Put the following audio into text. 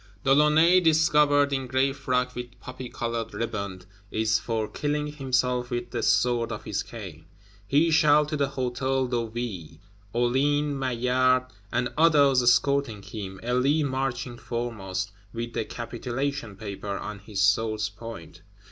De Launay, "discovered in gray frock with poppy colored riband," is for killing himself with the sword of his cane. He shall to the Hôtel de Ville; Hulin, Maillard, and others escorting him, Elie marching foremost, "with the capitulation paper on his sword's point."